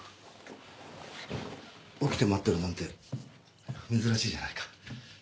起きて待ってるなんて珍しいじゃないか。